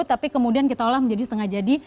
tapi kemudian kita olah menjadi setengah jadi